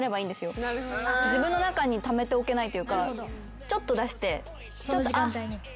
自分の中にためておけないというかちょっと出して「何か大変そうだな」